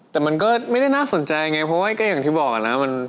แต่มันก็ไม่ได้น่าสนใจไงเพราะว่าก็อย่างที่บอกนะ